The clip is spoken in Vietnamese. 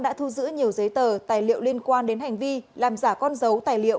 đã thu giữ nhiều giấy tờ tài liệu liên quan đến hành vi làm giả con dấu tài liệu